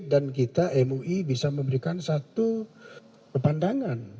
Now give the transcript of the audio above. dan kita mui bisa memberikan satu kepandangan